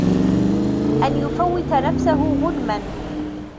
أَنْ يُفَوِّتَ نَفْسَهُ غُنْمًا